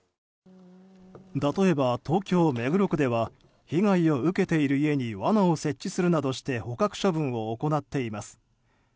例えば東京・目黒区では被害を受けている家にわなを設置するなどをして捕獲処分を行っています。